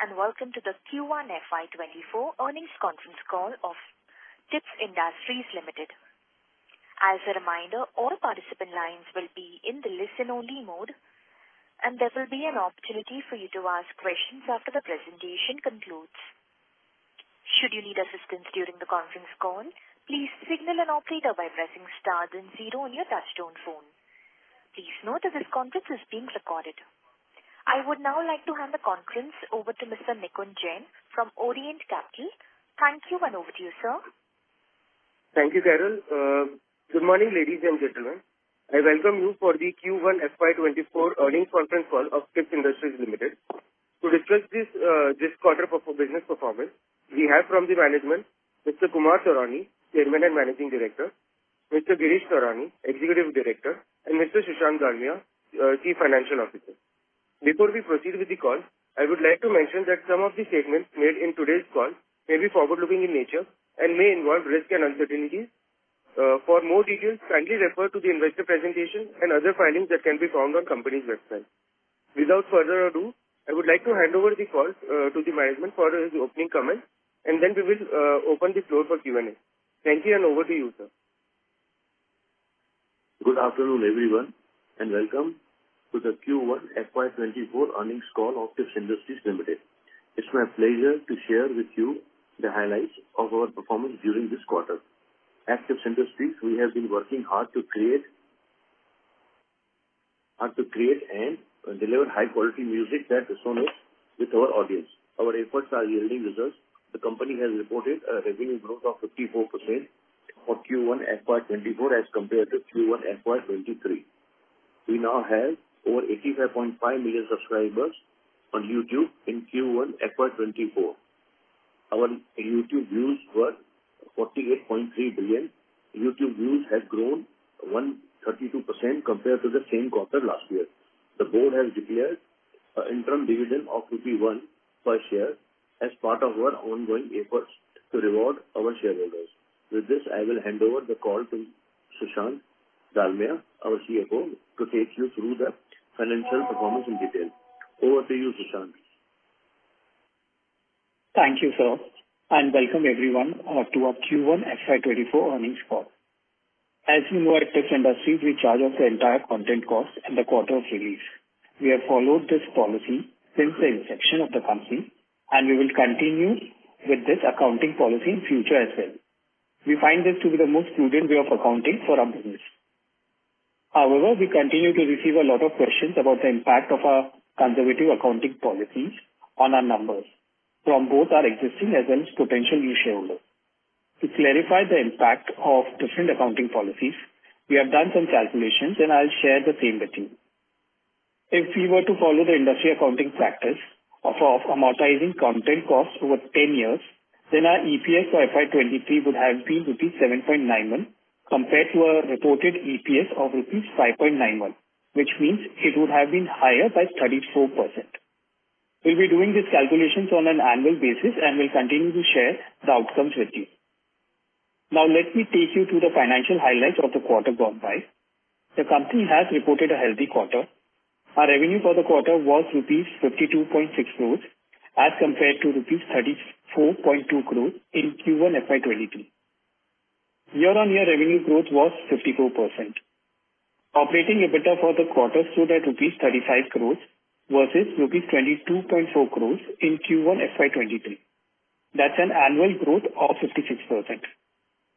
Good day. Welcome to the Q1 FY 2024 earnings conference call of Tips Industries Limited. As a reminder, all participant lines will be in the listen-only mode, and there will be an opportunity for you to ask questions after the presentation concludes. Should you need assistance during the conference call, please signal an operator by pressing star then zero on your touchtone phone. Please note that this conference is being recorded. I would now like to hand the conference over to Mr. Nikunj Jain from Orient Capital. Thank you. Over to you, sir. Thank you, Carol. Good morning, ladies and gentlemen. I welcome you for the Q1 FY 2024 earnings conference call of Tips Industries Limited. To discuss this quarter business performance, we have from the management, Mr. Kumar Taurani, Chairman and Managing Director, Mr. Girish Taurani, Executive Director, and Mr. Sushant Dalmia, Chief Financial Officer. Before we proceed with the call, I would like to mention that some of the statements made in today's call may be forward-looking in nature and may involve risks and uncertainties. For more details, kindly refer to the investor presentation and other filings that can be found on company's website. Without further ado, I would like to hand over the call to the management for the opening comments, and then we will open the floor for Q&A. Thank you, and over to you, sir. Good afternoon, everyone, and welcome to the Q1 FY 2024 earnings call of Tips Industries Limited. It's my pleasure to share with you the highlights of our performance during this quarter. At Tips Industries, we have been working hard to create and deliver high-quality music that resonates with our audience. Our efforts are yielding results. The company has reported a revenue growth of 54% for Q1 FY 2024 as compared to Q1 FY 2023. We now have over 85.5 million subscribers on YouTube in Q1 FY 2024. Our YouTube views were 48.3 billion. YouTube views have grown 132% compared to the same quarter last year. The board has declared an interim dividend of rupee 1 per share as part of our ongoing efforts to reward our shareholders. With this, I will hand over the call to Sushant Dalmia, our CFO, to take you through the financial performance in detail. Over to you, Sushant. Thank you, sir, and welcome everyone, to our Q1 FY 2024 earnings call. As you know, at Tips Industries, we charge off the entire content cost in the quarter of release. We have followed this policy since the inception of the company, and we will continue with this accounting policy in future as well. We find this to be the most prudent way of accounting for our business. However, we continue to receive a lot of questions about the impact of our conservative accounting policies on our numbers from both our existing and potential new shareholders. To clarify the impact of different accounting policies, we have done some calculations, and I'll share the same with you. If we were to follow the industry accounting practice of amortizing content costs over 10 years, then our EPS for FY 2023 would have been rupees 7.91, compared to our reported EPS of rupees 5.91, which means it would have been higher by 34%. We'll be doing these calculations on an annual basis, and we'll continue to share the outcomes with you. Let me take you through the financial highlights of the quarter gone by. The company has reported a healthy quarter. Our revenue for the quarter was rupees 52.6 crores, as compared to rupees 34.2 crores in Q1 FY 2023. Year-on-year revenue growth was 54%. Operating EBITDA for the quarter stood at rupees 35 crores, versus rupees 22.4 crores in Q1 FY 2023. That's an annual growth of 56%.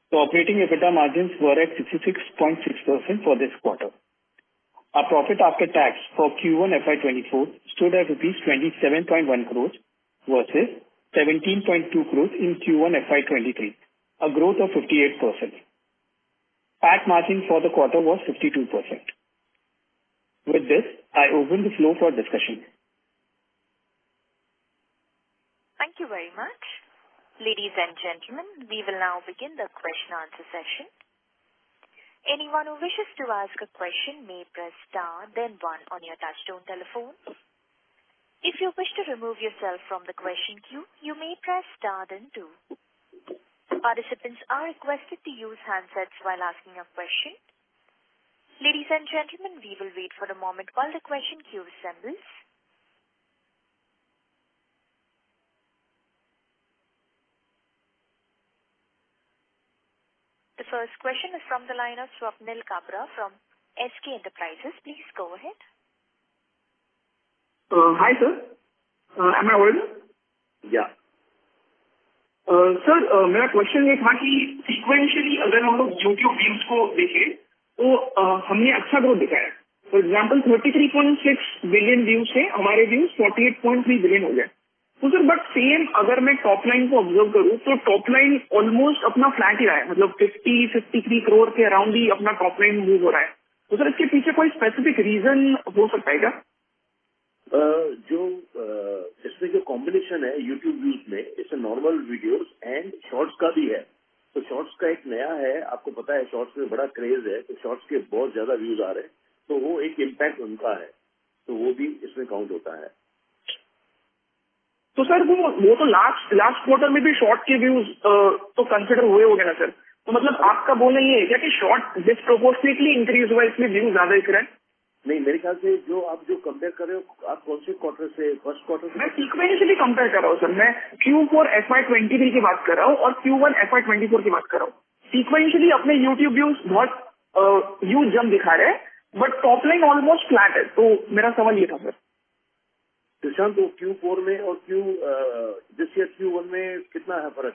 The operating EBITDA margins were at 66.6% for this quarter. Our profit after tax for Q1 FY 2024 stood at rupees 27.1 crores, versus 17.2 crores in Q1 FY 2023, a growth of 58%. PAT margin for the quarter was 52%. With this, I open the floor for discussion. Thank you very much. Ladies and gentlemen, we will now begin the question-answer session. Anyone who wishes to ask a question may press star, then one on your touchtone telephones. If you wish to remove yourself from the question queue, you may press star, then two. Participants are requested to use handsets while asking a question. Ladies and gentlemen, we will wait for a moment while the question queue assembles. The first question is from the line of Swapnil Kabra from SK Enterprises. Please go ahead. Hi, sir. Am I audible? Yeah. Sir, my question was that sequentially, when we look at the YouTube views, we have shown good growth. For example, from 33.6 billion views, our views have become 48.3 billion. Sir, same, if I observe the top line, the top line is almost flat. Meaning, our top line is moving around 50-53 crores. Sir, is there any specific reason behind this? The combination in the YouTube views, it's normal videos and also shorts. Shorts is new. You know, shorts have a big craze, so shorts are getting a lot of views. That is an impact, so that also counts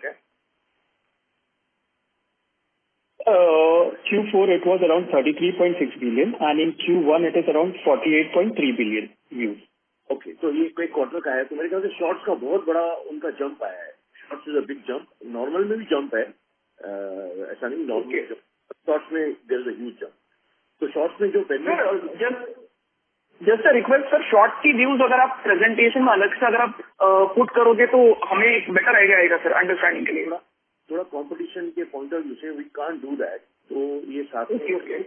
understanding के लिए। थोड़ा competition के point of view से we can do that, तो ये साथ में okay,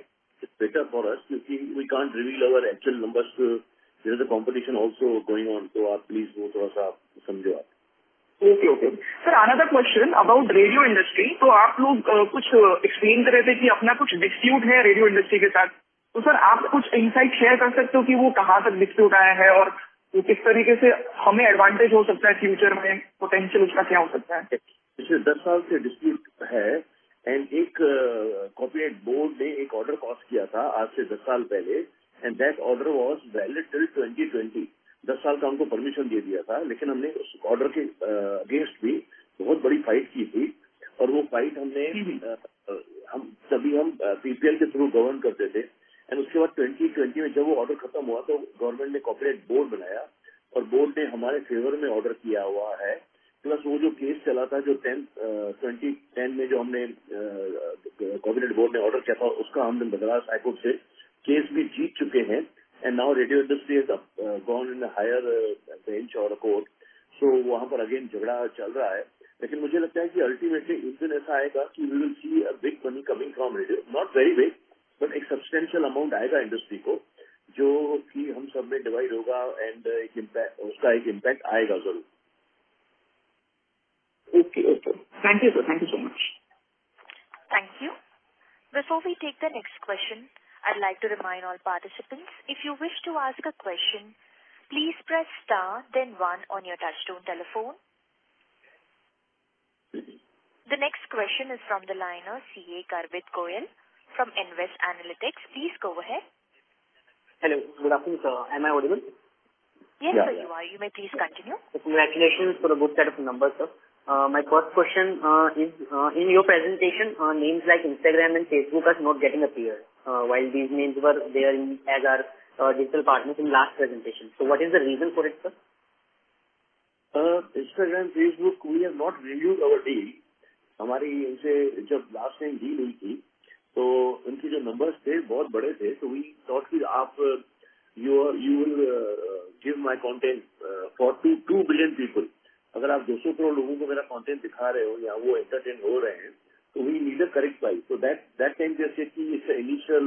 it is better for us क्योंकि we can not reveal our actual numbers. There is a competition also going on. आप प्लीज वो थोड़ा सा समझो आप! Okay okay. Sir another question about radio industry. आप लोग कुछ एक्सप्लेन कर रहे थे कि अपना कुछ डिसप्यूट है रेडियो इंडस्ट्री के साथ. सर आप कुछ इनसाइट शेयर कर सकते हो कि वो कहां तक डिसप्यूट आया है और किस तरीके से हमें एडवांटेज हो सकता है, फ्यूचर में पोटेंशियल उसका क्या हो सकता है? 10 साल से dispute है and एक Copyright Board ने एक ऑर्डर पास किया था, आज से 10 साल पहले and that order was valid till 2020. 10 साल का हमको परमिशन दे दिया था, लेकिन हमने ऑर्डर के अगेंस्ट भी बहुत बड़ी फाइट की थी और वो फाइट हमने, हम सभी हम PPL के थ्रू Government करते थे और उसके बाद 2020 में जब वो ऑर्डर खत्म हुआ तो Government ने Copyright Board बनाया और बोर्ड ने हमारे फेवर में ऑर्डर किया हुआ है. वो जो केस चला था, जो 2010 में जो हमने Copyright Board ने ऑर्डर किया था, उसका हमने Bombay High Court से केस भी जीत चुके हैं Now radio industry is gone in higher bench or court. वहां पर अगेन झगड़ा चल रहा है. मुझे लगता है कि अल्टीमेटली एक दिन ऐसा आएगा कि we will see a big money coming from radio not very big. एक सबस्टेंशियल अमाउंट आएगा इंडस्ट्री को, जो कि हम सब में डिवाइड होगा and एक इम्पैक्ट उसका इम्पैक्ट आएगा जरूर. Okay, okay thank you sir! Thank you so much. Thank you, before we take the next question. I like to remind participants if you wish to ask question, please press star then one on your touch phone. The next question is from the line CA Kartik Goyal from Invest Analytics please go ahead. Hello good afternoon, am I audible. Yes you are, you may please continue. Congratulation for the good set of numbers sir. My first question is in your presentation names like Instagram and Facebook are not getting appear, while the names were there as our digital partners in last presentation. So what is the reason for it sir? Instagram, Facebook we have not renewar our deal. हमारी इनसे जब last time deal हुई थी तो उनके जो numbers थे, बहुत बड़े थे। तो We thought ki आप you will give my content for 2 billion people. अगर आप 200 crore लोगों को मेरा content दिखा रहे हो या वो entertain हो रहे हैं तो we needed a correct price. That time they say ki इसका initial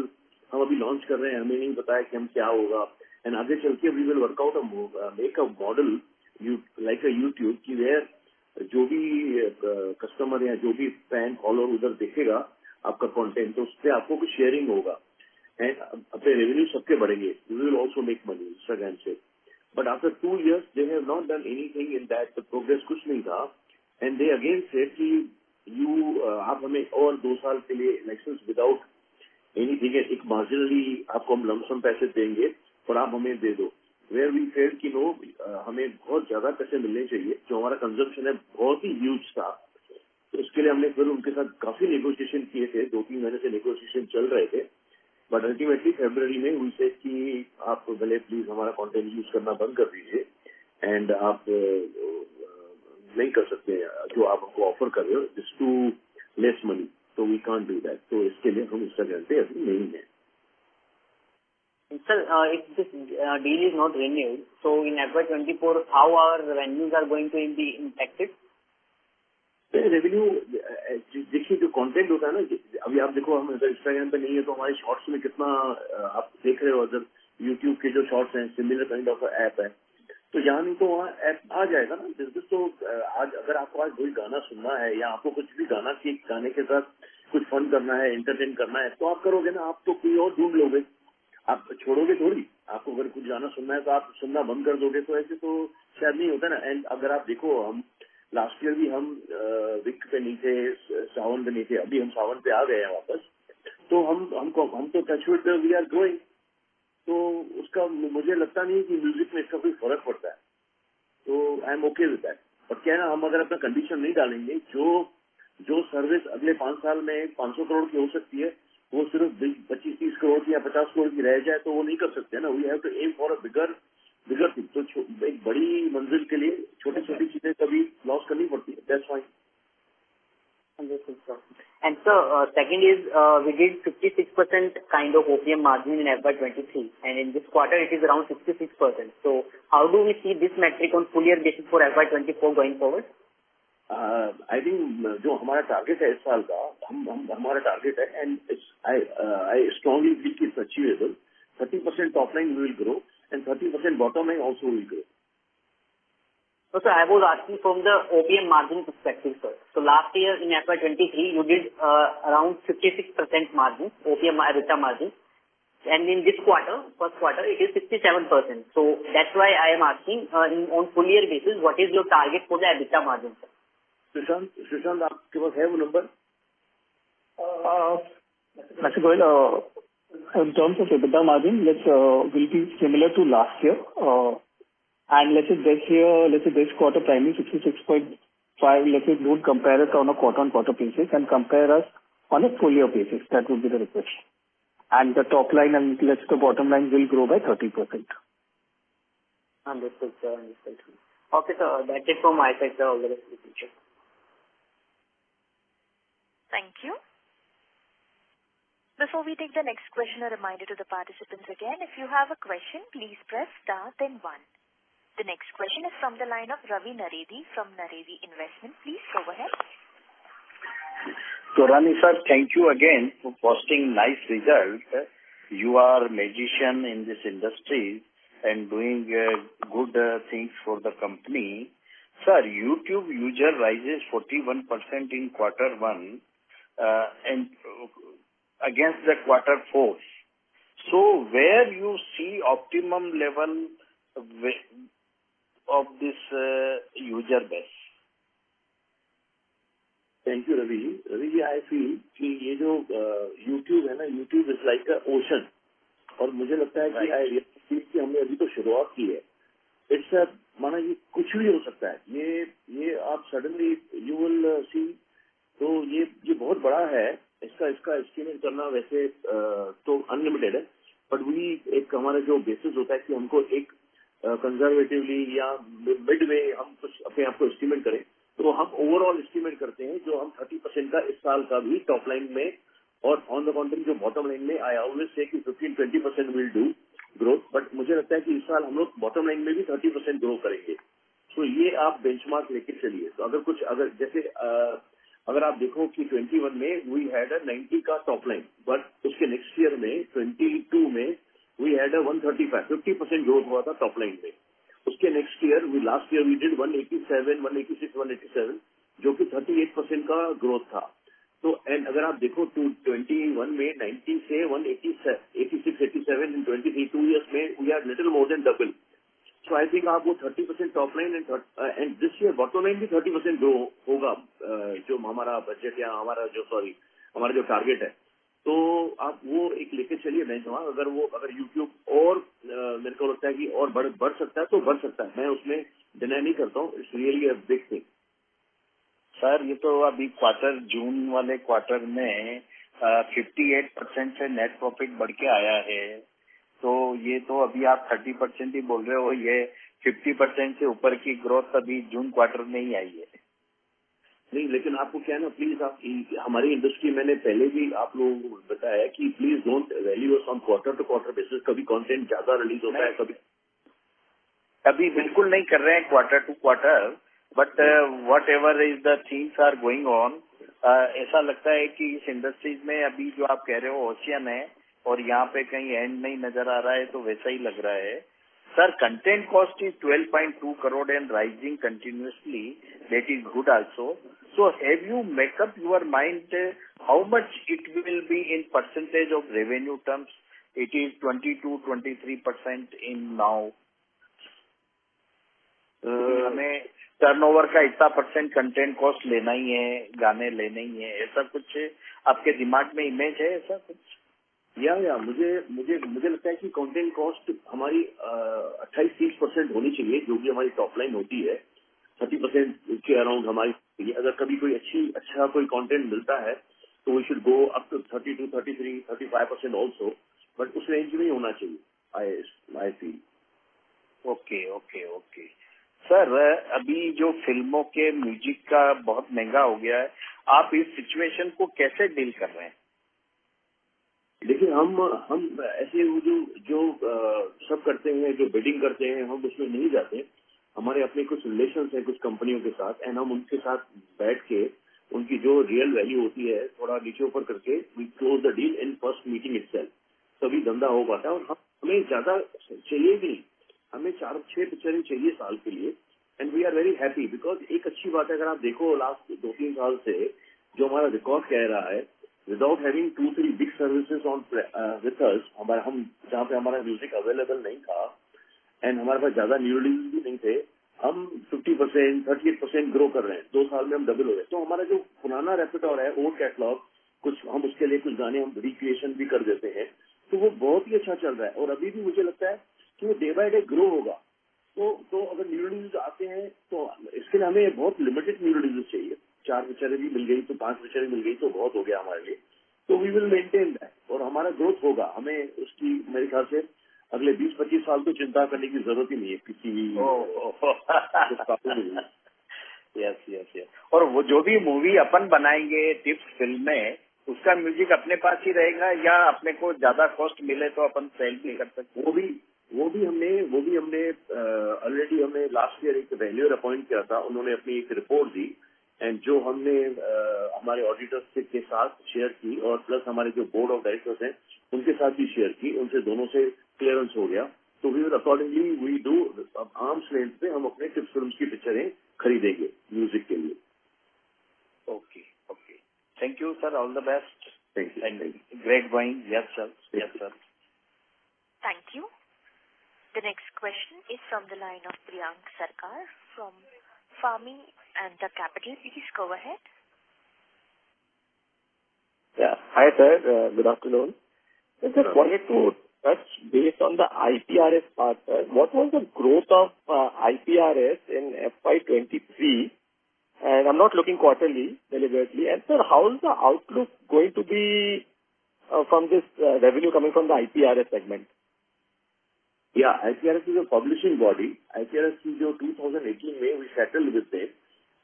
हम अभी launch कर रहे हैं। हमें नहीं पता है कि हम क्या होगा आगे चलके we will work out, make a model like a YouTube ki. Where जो भी customer या जो भी fan follow उधर देखेगा, आपका content तो उससे आपको कुछ sharing होगा रेवेन्यू सबके बढ़ेंगे। We will also make money Instagram से। After two years they have not done anything in that, progress कुछ नहीं था they again say ki आप हमें और two years के लिए license without anything एक marginally आपको हम lump sum पैसे देंगे, पर आप हमें दे दो। Where we said ki no, हमें बहुत ज्यादा पैसे मिलने चाहिए, जो हमारा consumption है। बहुत ही huge था तो उसके लिए हमने फिर उनके साथ काफी negotiation किए थे। two-three months से negotiation चल रहे थे, लेकिन ultimately February में we say ki आप पहले please हमारा content use करना बंद कर दीजिए आप नहीं कर सकते। जो आप हमको offer कर रहे हो, it is too less money. We can do that तो इसके लिए हम Instagram से अभी नहीं हैं। Sir, if this deal is not renew, So in FY 2024, how our revenue are going to be impacted? Revenue देखिए, जो content होता है ना, अभी आप देखो, हम Instagram पर नहीं है तो हमारे Shorts में कितना आप देख रहे हो? YouTube के जो Shorts हैं, सिमिलर का app है तो यानी तो app आ जाएगा। आज अगर आपको आज कोई गाना सुनना है या आपको कुछ भी गाना की गाने के साथ कुछ फन करना है, एंटरटेन करना है तो आप करोगे ना? आप तो कोई और ढूंढ लोगे। आप छोड़ोगे थोड़ी। आपको अगर कुछ गाना सुनना है तो आप सुनना बंद कर दोगे तो ऐसे तो शायद नहीं होता ना। अगर आप देखो, हम last year भी हम Wynk पे नहीं थे, JioSaavn पे नहीं थे। अभी हम JioSaavn पे आ गए हैं वापस तो हम तो वैच यू आर ग्रोइंग तो उसका मुझे लगता नहीं कि म्यूजिक में इसका कोई फर्क पड़ता है तो I am okay with that. हम अगर अपना कंडीशन नहीं डालेंगे, जो जो सर्विस अगले 5 साल में INR 500 करोड़ की हो सकती है, वो सिर्फ INR 25-30 करोड़ की या INR 50 करोड़ की रह जाए तो वो नहीं कर सकते ना। We have to aim for bigger bigger, तो एक बड़ी मंजिल के लिए छोटी छोटी चीजें कभी लॉस करनी पड़ती है। That's why! Understood, sir second is we give 56% kind of OPM margin in FY 2023 and in this quarter it is around 66%. How do we see this metric on full year basis for FY 2024 going forward? I think जो हमारा target है इस साल का, हमारा target है and I strongly believe it is achievable, 30% topline will grow and 30% bottom line also will grow. सर, I was asking from the OPM margin perspective sir. Last year in FY 2023 you did around 56% margin OPM, EBITDA margin and in this quarter, first quarter it is 57%. That's why I am asking on full year basis, what is your target for the EBITDA margin? Sushant, Sushant, you have a number? A Shri Goyal, in terms of EBITDA margin, this will be similar to last year और and let's say इस year, let's say this quarter time fifty six point five, let's don't compare it on a quarter on quarter basis and compare us on a full year basis, that would be the request and the topline and let's the bottomline will grow by thirty percent. Understood, understood. Okay sir, that's it from my side sir. All the best for the future. Thank you. Before we take the next question, a reminder to the participants again, if you have a question, please press star then one. The next question is from the line of Ravi Naredi, from Naredi investment. Please go ahead. तो Rani sir, thank you again for posting nice result. You are magician in this industry and doing good things for the company. Sir, YouTube user rises forty one percent in quarter one and against the quarter four. So where you see optimum level of this user base? Thank you Ravi ji. Ravi ji, I feel कि ये जो YouTube है ना, YouTube is like a ocean और मुझे लगता है कि हमने अभी तो शुरुआत की है. It's a, माने ये कुछ भी हो सकता है. ये आप suddenly you will see तो ये बहुत बड़ा है. इसका estimate करना वैसे तो unlimited है, We एक हमारा जो basis होता है कि हमको एक conservatively या midway हम कुछ अपने आप को estimate करें, तो हम overall estimate करते हैं, जो हम 30% का इस साल का भी topline में और on the contrary जो bottomline में I always say कि 50 20% will do growth. मुझे लगता है कि इस साल हम लोग bottomline में भी 30% grow करेंगे. ये आप benchmark लेकर चलिए. अगर कुछ, अगर जैसे अगर आप देखो कि 2021 में we had a 90 का topline, उसके next year में 2022 में we had a 135, 50% growth हुआ था topline में. उसके next year, We last year did 187, जो कि 38% का growth था. अगर आप देखो 2021 में 90 से INR 180, INR 186, INR 187 in 2022 year में we are little more than double. I think आप वो 30% topline. This year bottom line भी 30% ग्रो होगा, जो हमारा बजट या हमारा जो sorry, हमारा जो target है, तो आप वो एक लेकर चलिए. अगर वो, अगर YouTube और मेरे को लगता है कि और बढ़ सकता है तो बढ़ सकता है. मैं उसमें deny नहीं करता हूं. It's really a big thing. Sir, ये तो अभी quarter, June वाले quarter में 58% से Net Profit बढ़ के आया है। ये तो अभी आप 30% ही बोल रहे हो। ये 50% से ऊपर की ग्रोथ अभी June quarter में ही आई है। नहीं, आपको क्या है ना प्लीज आप हमारी इंडस्ट्री मैंने पहले भी आप लोगों को बताया है कि please don't value us on quarter to quarter basis. कभी कंटेंट ज्यादा रिलीज होता है, कभी- अभी बिल्कुल नहीं कर रहे हैं quarter-to-quarter. Whatever is the things are going on. ऐसा लगता है कि इस इंडस्ट्री में अभी जो आप कह रहे हो, ओशन है और यहां पर कहीं एंड नहीं नजर आ रहा है तो वैसा ही लग रहा है. Sir, content cost is 12.2 crore and rising continuously, that is good also. Have you make up your mind, how much it will be in percentage of revenue terms? It is 22%-23% in now. हमें turnover का इतना % content cost लेना ही है, गाने लेने ही है, ऐसा कुछ आपके दिमाग में इमेज है ऐसा कुछ? मुझे लगता है कि content cost हमारी 28%-30% होनी चाहिए, जो कि हमारी topline होती है। 30% के अराउंड हमारी अगर कभी कोई अच्छा कोई content मिलता है तो we should go up to 32%, 33%, 35% also। उस रेंज में ही होना चाहिए, आई फील। ओके। सर, अभी जो फिल्मों के म्यूजिक का बहुत महंगा हो गया है, आप इस सिचुएशन को कैसे डील कर रहे हैं? देखिए, हम ऐसे जो सब करते हैं, जो बिडिंग करते हैं, हम उसमें नहीं जाते। हमारे अपने कुछ रिलेशंस हैं, कुछ कंपनियों के साथ हम उनके साथ बैठ के उनकी जो रियल वैल्यू होती है, थोड़ा नीचे ऊपर करके we close the deal in first meeting itself. तभी धंधा हो पाता है और हमें ज्यादा चाहिए भी नहीं। हमें 4-6 पिक्चरें चाहिए साल के लिए we are very happy. Because एक अच्छी बात है, अगर आप देखो लास्ट 2-3 साल से जो हमारा रिकॉर्ड कह रहा है, without having 2-3 big services on with us, जहां पर हमारा म्यूजिक अवेलेबल नहीं था हमारे पास ज्यादा न्यू रिलीज भी नहीं थे। हम 50%, 38% ग्रो कर रहे हैं। two साल में हम डबल हो गए। तो हमारा जो पुराना repertoire है, old catalog, कुछ हम उसके लिए कुछ गाने हम recreation भी कर देते हैं, तो वह बहुत ही अच्छा चल रहा है और अभी भी मुझे लगता है कि वो डे बाय डे ग्रो होगा। तो अगर न्यू रिलीज आते हैं तो इसके लिए हमें बहुत लिमिटेड न्यू रिलीज चाहिए। four पिक्चरें भी मिल गई तो, five पिक्चरें मिल गई तो बहुत हो गया हमारे लिए। तो वी विल मेंटेन दैट और हमारा ग्रोथ होगा। हमें उसकी मेरे ख्याल से अगले 20-25 साल तो चिंता करने की जरूरत ही नहीं है। येस। वो जो भी मूवी अपन बनाएंगे, Tips Films में, उसका म्यूजिक अपने पास ही रहेगा या अपने को ज्यादा कॉस्ट मिले तो अपन सेल भी कर सकते हैं। वो भी हमने. Already we have last year, one valuer appointed, he gave us his report and which we shared with our auditors and plus our board of directors, we shared with them too. We got clearance from both of them. We will accordingly, we do arm's length, we will buy films of our films for music. Okay. Thank you, sir. All the best. Thank you. Great buying. Yes, sir. Yes, sir. Thank you. The next question is from the line of Priyankar Sarkar, from Famyananta Capital. Please go ahead. Yeah. Hi, sir. Good afternoon. I just wanted to touch based on the IPRS part, sir. What was the growth of IPRS in FY 2023? I'm not looking quarterly, deliberately. Sir, how is the outlook going to be from this revenue coming from the IPRS segment? Yeah, IPRS is a publishing body. IPRS, in 2018, we settled with it.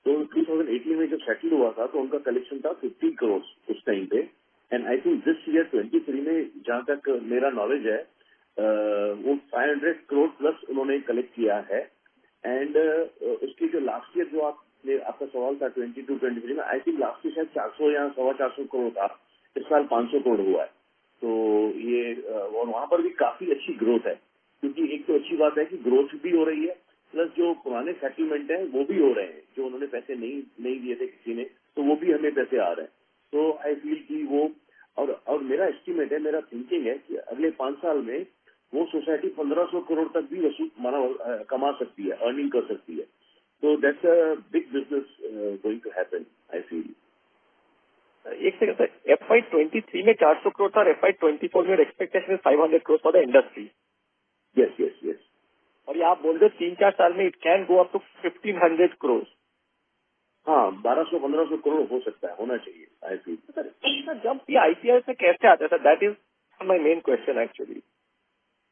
In 2018, when it was settled, their collection was INR 50 crores at that time. I think this year, in 2023, as far as my knowledge, they have collected INR 500 crores+. Their last year, your question was 2022, 2023. I think last year it was 400 crores or 425 crores. This year it is 500 crores. There is a very good growth there as well, because one good thing is that the growth is also happening, plus the old settlements are also happening, that they did not give the money to anyone, so we are getting that money as well. I feel that and my estimate is, my thinking is that in the next five years, that society can earn up to INR 1,500 crores. That's a big business going to happen, I feel. One second, sir. In FY 2023, it was INR 400 crores. In FY 2024, your expectation is INR 500 crores for the industry. Yes, yes. You are saying in three, four years, it can go up to INR 1,500 crores. Yes, it can be INR 1,200 crore, INR 1,500 crore. It should be, I feel. Sir, such a jump, how does it come from IPRS? Sir, that is my main question, actually.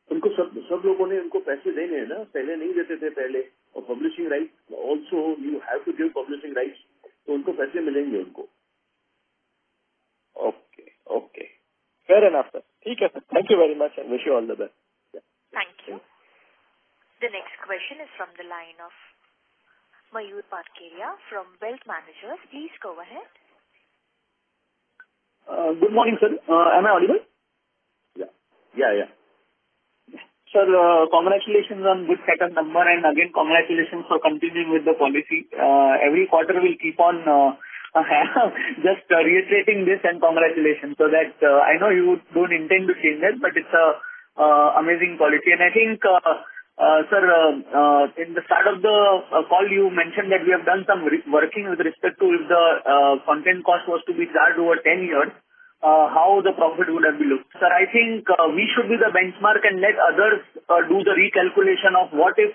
All the people have to give them money. They did not give it before. Publishing rights, also, you have to give publishing rights, so they will get the money. Okay, okay. Fair enough, sir. Thank you very much. Wish you all the best. Thank you. The next question is from the line of Mayur Parkeria from Wealth Managers. Please go ahead. Good morning, sir. Am I audible? Yeah. Yeah, yeah. Sir, congratulations on good second number, and again, congratulations for continuing with the policy. Every quarter we keep on, just reiterating this and congratulations, so that I know you don't intend to change it, but it's a amazing policy. I think, sir, in the start of the call, you mentioned that we have done some working with respect to if the content cost was to be charged over 10 years, how the profit would have been looked. Sir, I think we should be the benchmark and let others do the recalculation of what if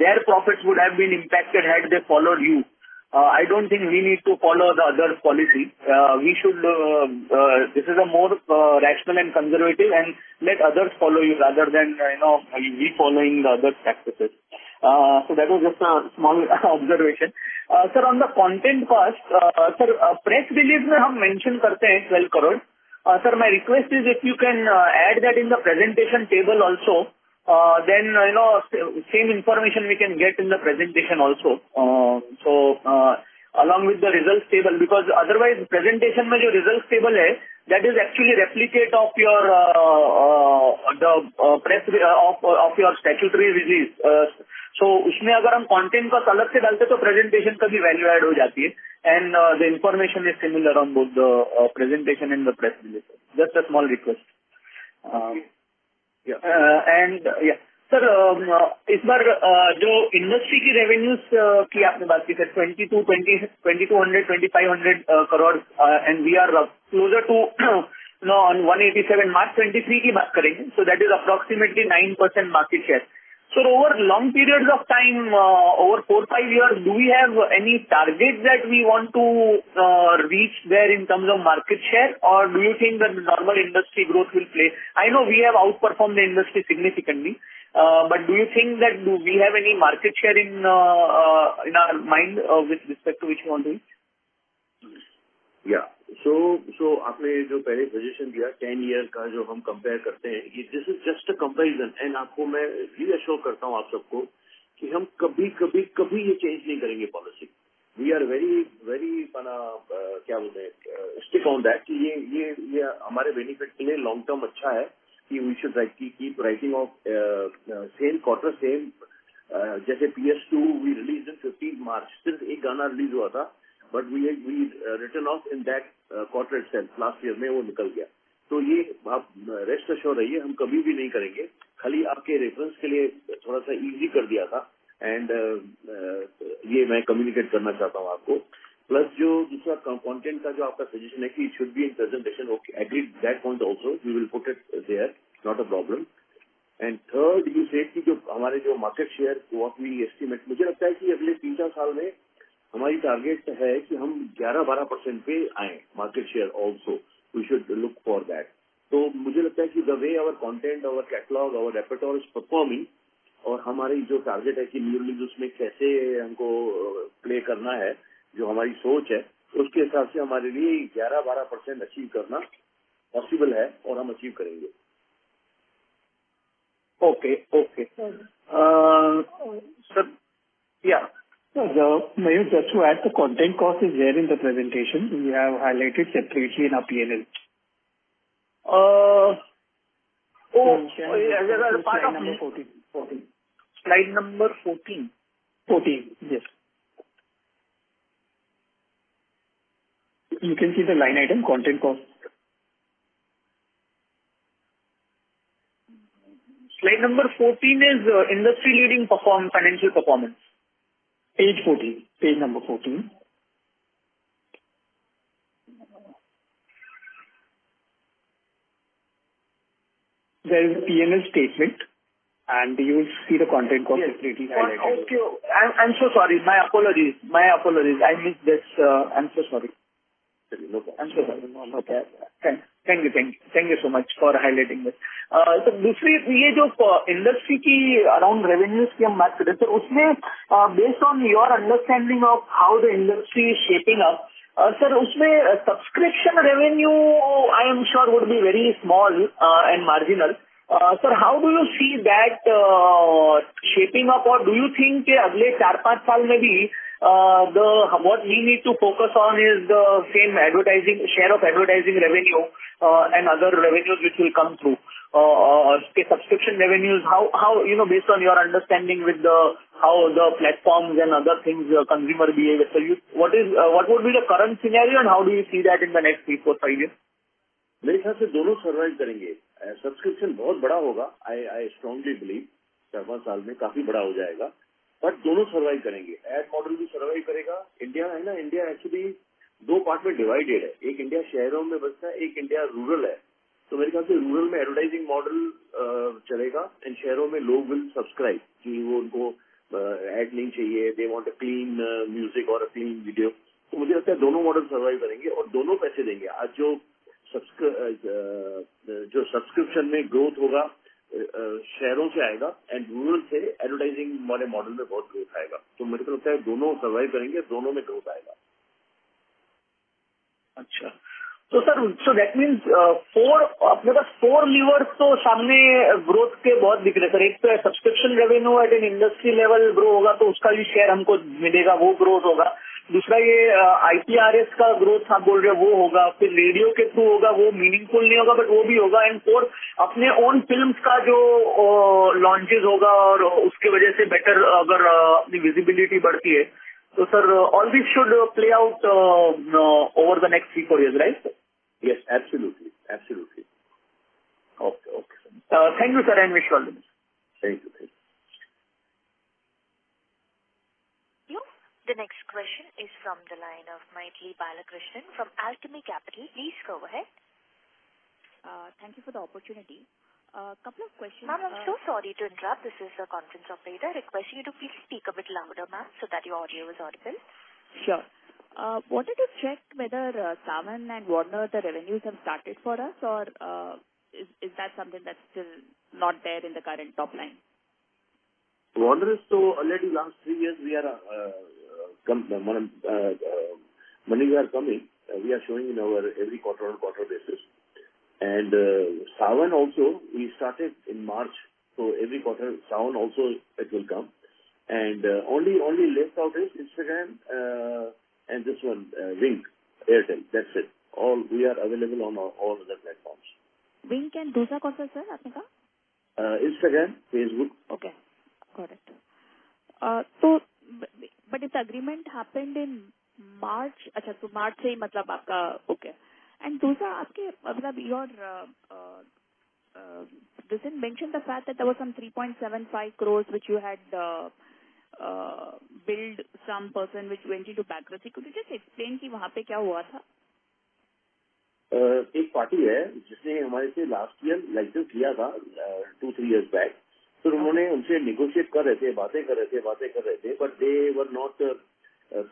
their profits would have been impacted had they followed you. I don't think we need to follow the others' policy. We should. This is a more rational and conservative, and let others follow you rather than, you know, we following the others' practices. That was just a small observation. Sir, on the content part, sir, press release we mention INR 12 crores. Sir, my request is if you can add that in the presentation table also, you know, same information we can get in the presentation also. Along with the results table, because otherwise, the presentation which is the results table, that is actually replicate of your the press of your statutory release. If we add the content in that, the presentation also gets value add, and the information is similar on both the presentation and the press release. Just a small request. Yeah. Sir, this time, the industry revenues, you talked about INR 22, INR 20, INR 2,200, INR 2,500 crores, and we are closer to, you know, on INR 187 March 2023. That is approximately 9% market share. Over long periods of time, over four, five years, do we have any targets that we want to reach there in terms of market share? Do you think that the normal industry growth will play? I know we have outperformed the industry significantly, do you think that do we have any market share in our mind with respect to which we want to reach? The suggestion you gave earlier, of 10 years, which we compare, this is just a comparison. I reassure all of you that we will never, ever change this policy. We are very stick on that. This is good for our benefit long term, that we should keep writing off, same quarter, same. Like PS2, we released in 15 March. Only one song was released, but we written off in that quarter itself. It was out last year. You rest assured, we will never do this. I just made it a little easy for your reference, I want to communicate this to you. Plus, the other suggestion you have about the content, that it should be in presentation. Okay, I agree with that point also. We will put it there. Not a problem. Third, you said that our market share, what we estimate. I think that in the next three-four years, our target is to reach 11%-12% market share also. We should look for that. I think the way our content, our catalog, our repertoire is performing, and our target is how we have to play in new releases, which is our thinking, according to that, achieving 11%-12% for us possible है और हम achieve करेंगे। Okay, okay. sir, yeah. Sir, the may just to add the content cost is there in the presentation. We have highlighted separately in our PNL. yeah, there are part of. Slide number 14. Slide number 14. 14, yes. You can see the line item content cost. Slide number 14 is industry leading financial performance. Page 14. Page number 14. There is PNL statement and you will see the content cost is clearly highlighted. I'm so sorry. My apologies. My apologies. I missed this. I'm so sorry. Okay. I'm so sorry. Okay. Thank you. Thank you. Thank you so much for highlighting this. sir, दूसरी ये जो industry की around revenues की हम बात कर रहे हैं, तो उसमें, based on your understanding of how the industry is shaping up, sir, उसमें subscription revenue, I am sure would be very small and marginal. sir, how do you see that shaping up or do you think के अगले 4-5 साल में भी, the what we need to focus on is the same advertising, share of advertising revenue, and other revenues which will come through. subscription revenues, how, you know, based on your understanding with the how the platforms and other things, consumer behavior, what is what would be the current scenario and how do you see that in the next three, four, five years? मेरे ख्याल से दोनों survive करेंगे। Subscription बहुत बड़ा होगा। I strongly believe 4-5 साल में काफी बड़ा हो जाएगा, दोनों survive करेंगे। Ad model भी survive करेगा। India है ना, India actually दो part में divided है। एक India शहरों में बसता है, एक India rural है। मेरे ख्याल से rural में advertising model चलेगा and शहरों में लोग will subscribe, कि वो उनको ad नहीं चाहिए। They want a clean music or a clean video. मुझे लगता है दोनों model survive करेंगे और दोनों पैसे देंगे। आज जो subscription में growth होगा शहरों से आएगा and rural से advertising वाले model में बहुत growth आएगा। मेरे को लगता है दोनों survive करेंगे, दोनों में growth आएगा। अच्छा. Sir, that means, four, अपने पास four levers तो सामने growth के बहुत दिख रहे हैं, sir. एक तो है subscription revenue at an industry level grow होगा, तो उसका भी share हमको मिलेगा, वो growth होगा. दूसरा, ये IPRS का growth आप बोल रहे हो, वो होगा. फिर radio के through होगा, वो meaningful नहीं होगा, but वो भी होगा. Fourth, अपने own films का जो, launches होगा और उसके वजह से better अगर अपनी visibility बढ़ती है, तो sir, all this should play out, over the next three, four years, right? Yes, absolutely. Absolutely. Okay. Thank you, sir, and wish all the best. Thank you. Thank you. The next question is from the line of Mythili Balakrishnan from Alchemy Capital. Please go ahead. Thank you for the opportunity. Couple of questions. Ma'am, I'm so sorry to interrupt. This is a conference update. I request you to please speak a bit louder, ma'am, so that your audio is audible. Sure. wanted to check whether JioSaavn and Warner, the revenues have started for us, or is that something that's still not there in the current top line? Warner is already last three years, we are come money we are coming. We are showing in our every quarter-on-quarter basis. JioSaavn also, we started in March, so every quarter JioSaavn also it will come. Only left out is Instagram and this one, Wynk, Airtel. That's it. All we are available on all other platforms. Wynk and दूसरा कौन सा sir, आपने कहा? Instagram, Facebook. Okay, got it. This agreement happened in March. अच्छा, March से ही मतलब आपका. Okay, दूसरा आपके, मतलब your, didn't mention the fact that there were some 3.75 crores, which you had build some person which went into bankruptcy. Could you just explain कि वहां पे क्या हुआ था? एक party है, जिसने हमारे से last year license लिया था, two, three years back. उन्होंने उनसे negotiate कर रहे थे, बातें कर रहे थे, but they were not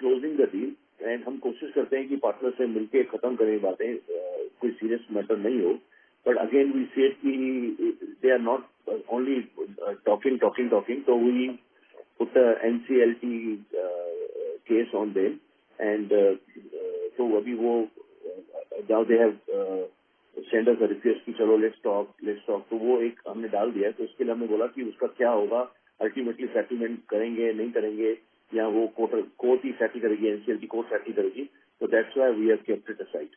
closing the deal. हम कोशिश करते हैं कि partner से मिलकर खत्म करें बातें, कोई serious matter नहीं हो। Again, we see कि they are not only talking. We put a NCLT case on them, and तो अभी वो now they have send us a request कि चलो, "Let's talk. Let's talk" तो वो एक हमने डाल दिया है। तो उसके लिए हमने बोला कि उसका क्या होगा? Ultimately settlement करेंगे, नहीं करेंगे, या वो court ही settle करेगी, NCLT court settle करेगी। That's why we have kept it aside.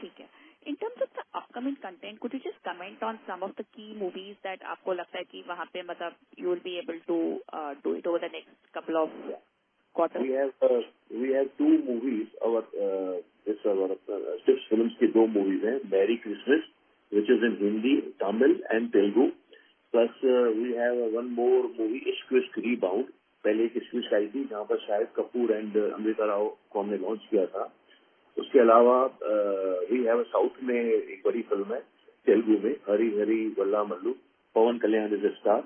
ठीक है। In terms of the upcoming content, could you just comment on some of the key movies that आपको लगता है कि वहां पे मतलब you will be able to do it over the next couple of quarters? We have two movies. Our this one of Tips Films की दो movies हैं, Merry Christmas, which is in Hindi, Tamil and Telugu. We have one more movie, Ishq Vishk Rebound. पहले Ishq Vishk आई थी, जहां पर Shahid Kapoor and Amrita Rao को हमने launch किया था. उसके अलावा, we have a South में एक बड़ी film है, Telugu में, Hari Hara Veera Mallu, Pawan Kalyan is a star.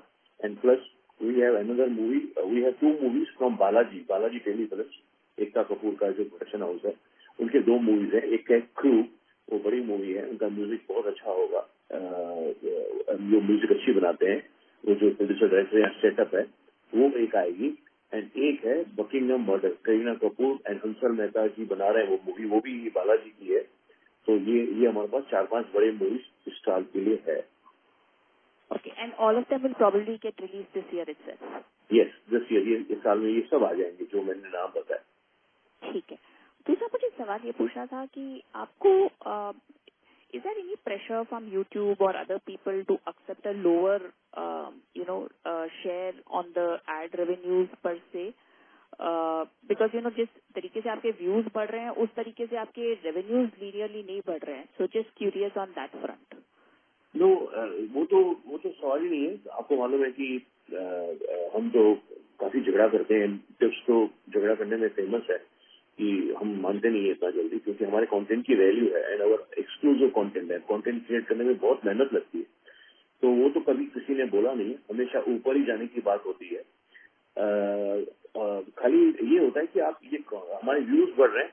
We have two movies from Balaji Telefilms, Ekta Kapoor का जो production house है, उनके दो movies हैं. एक है Crew, वो बड़ी movie है. उनका music बहुत अच्छा होगा. जो music अच्छी बनाते हैं, वो जो producer director या setup है- वो एक आएगी एंड एक है Buckingham murder. Kareena Kapoor and Hansal Mehta ji बना रहे हैं। वो मूवी, वो भी बालाजी की है। तो ये हमारे पास चार पांच बड़े मूवी इस साल के लिए है। Okay and all of the will problem get release this year. Yes, this year. इस साल में ये सब आ जाएंगे, जो मैंने नाम बताया है। ठीक है, मुझे एक सवाल यह पूछा था कि आपको is there any pressure from YouTube or other people to accept lower you know share on the ad revenue per se? Because you know, जिस तरीके से आपके views बढ़ रहे हैं, उस तरीके से आपके revenue linearly नहीं बढ़ रहे हैं. Just curious on that front. वो तो सवाल ही नहीं है. आपको मालूम है कि हम तो काफी झगड़ा करते हैं. झगड़ा करने में फेमस है कि हम मानते नहीं है इतना जल्दी, क्योंकि हमारे कंटेंट की वैल्यू है एंड आवर एक्सक्लूसिव कंटेंट है. कंटेंट क्रिएट करने में बहुत मेहनत लगती है तो वो तो कभी किसी ने बोला नहीं. हमेशा ऊपर ही जाने की बात होती है. खाली यह होता है कि आप हमारे व्यूवर्स बढ़ रहे हैं,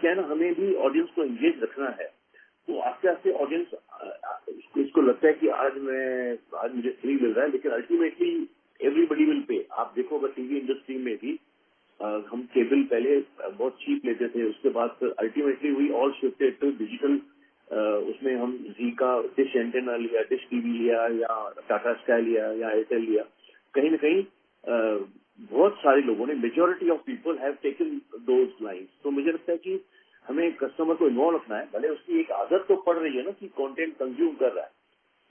क्या हमें भी ऑडियंस को इंगेज रखना है तो आपसे ऑडियंस को लगता है कि आज मुझे फ्री मिल रहा है, लेकिन अल्timately everybody will pay. आप देखोगे TV इंडस्ट्री में भी हम केबल पहले बहुत cheap लेते थे, उसके बाद अल्timately we all shifted to digital. उसमें हम Zee का डिश एंटेना लिया, Dish TV लिया या Tata Sky लिया या Airtel लिया. कहीं ना कहीं बहुत सारे लोगों ने majority of people have taken those lines. मुझे लगता है कि हमें कस्टमर को इंवॉल्व रखना है. भले उसकी एक आदत तो पड़ रही है ना कि कंटेंट कंज्यूम कर रहा है,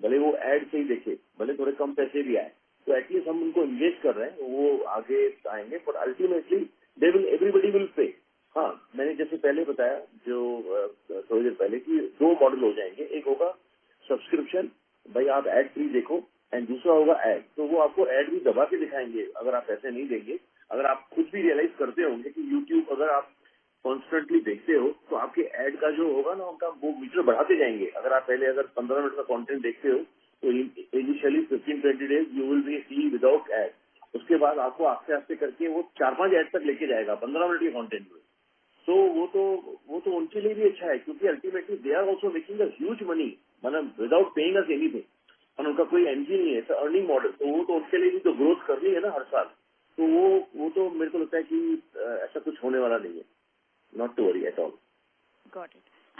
भले वो ऐड से ही देखे, भले थोड़े कम पैसे भी आए तो एटलीस्ट हम उनको इंगेज कर रहे हैं, वो आगे आएंगे. अल्timately everybody will pay. हां, मैंने जैसे पहले बताया जो थोड़ी देर पहले कि 2 मॉडल हो जाएंगे. 1 होगा सब्सक्रिप्शन. भाई आप ऐड फ्री देखो और दूसरा होगा ऐड. वो आपको ऐड भी दबा के दिखाएंगे. अगर आप पैसे नहीं देंगे. अगर आप खुद भी रियलाइज करते होंगे कि YouTube अगर आप कांस्टेंटली देखते हो तो आपके ऐड का जो होगा ना उनका वो मीटर बढ़ाते जाएंगे. अगर आप पहले अगर 15 मिनट का कंटेंट देखते हो तो initially 15-20 days you will be see without ad. उसके बाद आपको आस्ते आस्ते करके वो 4-5 ऐड तक लेकर जाएगा. 15 मिनट की कंटेंट में वो तो उनके लिए भी अच्छा है, क्योंकि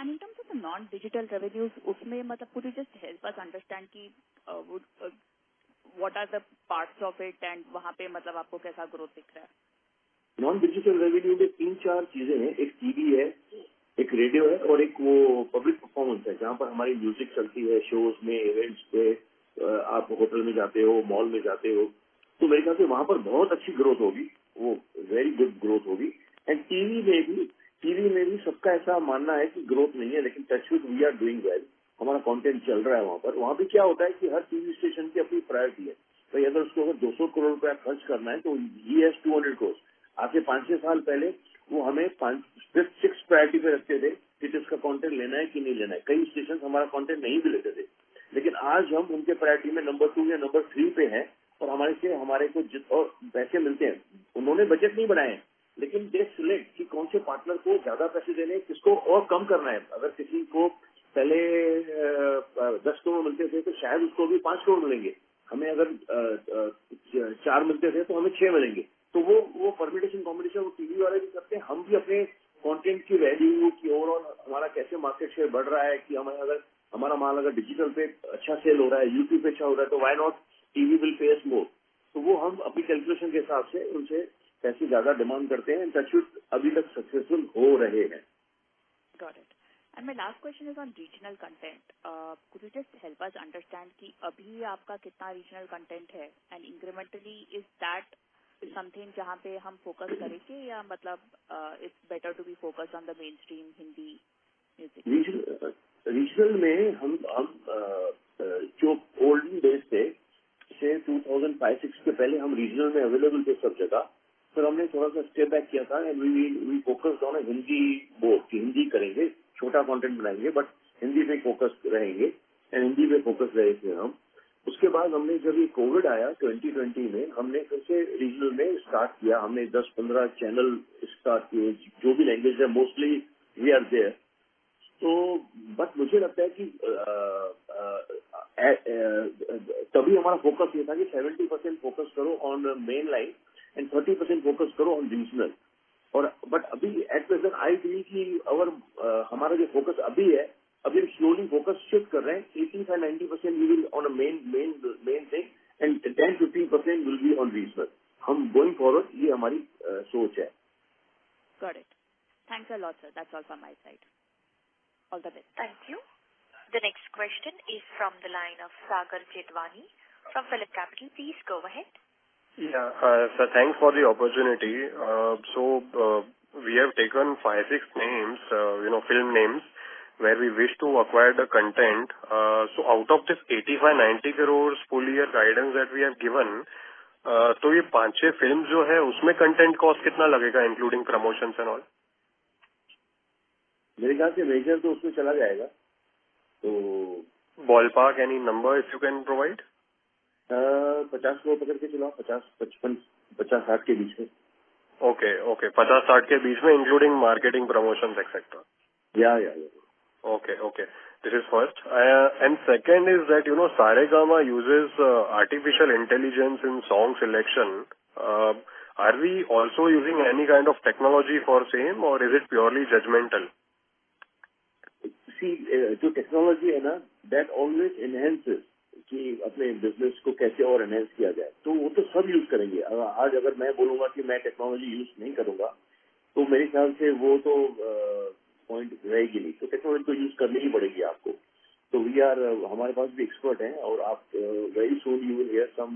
अल्timately they are also making a huge money. मतलब without paying us anything और उनका कोई एंजिंग नहीं है. अर्निंग मॉडल वो तो उनके लिए भी तो ग्रोथ करनी है ना हर साल. वो तो मेरे को लगता है कि ऐसा कुछ होने वाला नहीं है. Not worry at all. Got it and non digital revenue, उसमें मतलब Could you just help us understand कि what are the parts of it and वहां पर मतलब आपको कैसा ग्रोथ दिख रहा है? Non-digital revenue में 3-4 things हैं. एक TV है, एक radio है और एक वो public performance है, जहां पर हमारी music चलती है. Shows में events में आप hotel में जाते हो, mall में जाते हो, मेरे ख्याल से वहां पर बहुत अच्छी growth होगी. वो very good growth होगी, TV में भी. TV में भी सबका ऐसा मानना है कि growth नहीं है, वी आर doing well. हमारा content चल रहा है वहां पर. वहां पर क्या होता है कि हर TV station की अपनी priority है. अगर उसको INR 200 crore रुपया खर्च करना है, ही has INR 200 crore. आज से 5-6 साल पहले वो हमें 5-6 priority पर रखते थे कि जिसका content लेना है कि नहीं लेना है. कई station हमारा content नहीं भी लेते थे, आज हम उनके priority में number 2 या number 3 पे हैं और हमारे को और पैसे मिलते हैं. उन्होंने budget नहीं बनाया, दे select कि कौन से partner को ज्यादा पैसे देने हैं, किसको और कम करना है. अगर किसी को पहले INR 10 crore मिलते थे, शायद उसको अभी INR 5 crore मिलेंगे. हमें अगर INR 4 crore मिलते थे, हमें INR 6 crore मिलेंगे. वो वो permutation combination वो TV वाले भी करते हैं. हम भी अपने content की value, की overall हमारा कैसे market share बढ़ रहा है, कि अगर हमारा मान digital पे अच्छा sale हो रहा है, YouTube पे अच्छा हो रहा है, Why not TV will pay more. वो हम अपनी calculation के हिसाब से उनसे पैसे ज्यादा demand करते हैं. अभी तक successful हो रहे हैं. Got it, my last question is regional content. Could you just help us understand कि अभी आपका कितना रीजनल कंटेंट है? And incrementally is that something जहां पर हम फोकस करेंगे या मतलब it's better to be focus on the mainstream Hindi. Regional में हम जो old days थे, say 2005-2006 के पहले हम regional में available थे सब जगह। हमने थोड़ा सा step back किया था and we focused on Hindi, वो Hindi करेंगे, छोटा content बनाएंगे, but Hindi में focus रहेंगे and Hindi में focus रहे थे हम। उसके बाद हमने जब COVID आया, 2020 में हमने फिर से regional में start किया। हमने 10-15 channel start किए। जो भी language है, mostly we are there। मुझे लगता है कि। तभी हमारा focus यह था कि 70% focus करो on mainline and 30% focus करो on regional. अभी at present I believe कि हमारा जो focus अभी है, अभी हम slowly focus shift कर रहे हैं। 80%-90% will be on main thing and 10%-50% will be on regional. हम going forward. यह हमारी सोच है। Got it, thanks a lot, that's all from my side. All the best! Thank you. The next question is from the line of Sagar Jethwani from PhillipCapital. Please go ahead. Yeah sir, thanks for the opportunity. We have taken five-six names, you know, film names, where we wish to acquire the content. Out of this 85-90 crore full year guidance that we have given. ये 5-6 film जो है, उसमें content cost कितना लगेगा, including promotion and all. मेरे ख्याल से major तो उसमें चला जाएगा। तो ball park any number, if you can provide. INR 50 crore करके चलाओ, 50%, 55%, 58% के बीच में। Okay, okay including marketing, promotions, etc. Yeah, yeah. Okay, okay. This is first. Second is that, you know, Saregama uses artificial intelligence in song selection. Are we also using any kind of technology for same, or is it purely judgmental? See, the technology, that always enhances, how to enhance your business. Everyone will use it. If today I say that I will not use technology, then I think that point will not remain. You will have to use technology. We also have experts, and very soon you will hear some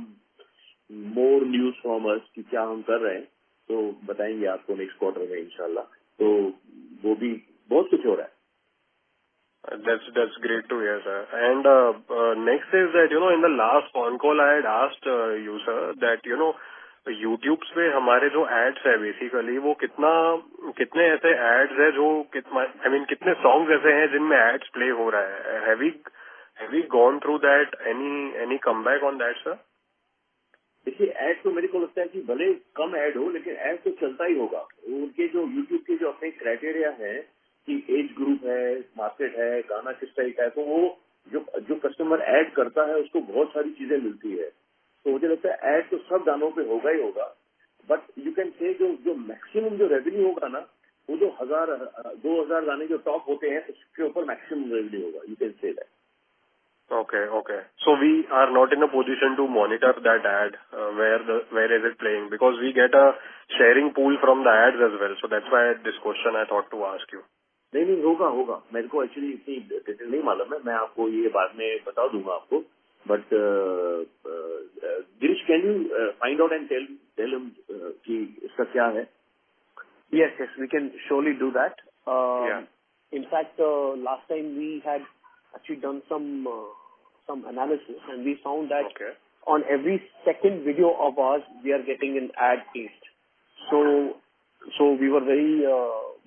more news from us, what we are doing. We will tell you in the next quarter, Inshallah. That too, a lot is happening. That's great to hear, sir. Next is that, you know, in the last phone call, I had asked you, sir, that, you know, YouTube's ads, basically, how many such ads are there, how many songs are there in which ads are playing? Have we gone through that? Any comeback on that, sir? Ads, I think even if there are fewer ads, but ads will definitely be there. YouTube's own criteria is that age group, market, what type of song it is. The customer who places the ad gets a lot of things. I think ads will be there on all the songs. You can say that the maximum revenue will be on the 1,000, 2,000 songs that are at the top, the maximum revenue will be on them. You can say that. Okay, okay. We are not in a position to monitor that ad, where is it playing? Because we get a sharing pool from the ads as well. That's why this question I thought to ask you. No, it will be there. I actually don't know the exact details. I will tell you this later. Dinesh, can you find out and tell him what is it? Yes, yes, we can surely do that. Yeah. In fact, last time we had actually done some analysis, and we found. On every second video of ours, we are getting an ad placed. We were very.